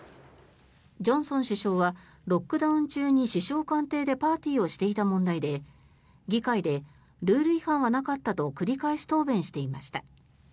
ジョンソン首相はロックダウン中に首相官邸でパーティーをしていた問題で議会でルールは違反はなかったと繰り返し答弁していました。